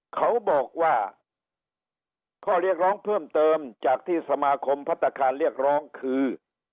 เขาบอกว่าข้อเรียกร้องเพิ่มเติมจากที่สมาคมพัฒนาคารเรียกร้องคือ